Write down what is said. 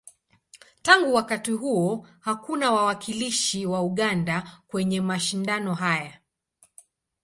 Tangu wakati huo, hakuna wawakilishi wa Uganda kwenye mashindano haya.